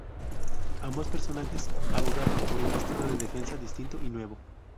Ambos personajes abogaban por un estilo de defensa distinto y nuevo.